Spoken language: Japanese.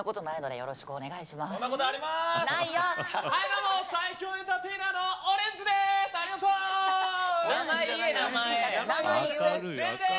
よろしくお願いします！